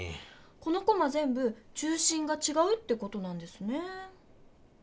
このコマぜんぶ中心がちがうってことなんですね。